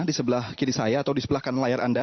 di sebelah kiri saya atau di sebelah kanan layar anda